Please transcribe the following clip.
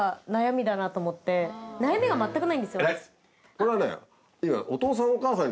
これはね。